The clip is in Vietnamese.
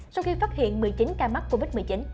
sau khi phát hiện một mươi chín ca mắc covid một mươi chín